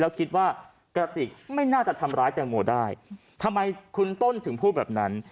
แล้วคิดว่ากระติกไม่น่าจะทำร้ายแตงโมได้ทำไมคุณต้นถึงพูดแบบนั้น